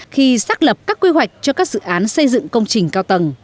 khi xác lập các quy hoạch cho các dự án xây dựng công trình cao tầng